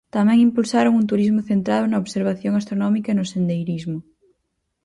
Tamén impulsaron un turismo centrado na observación astronómica e no sendeirismo.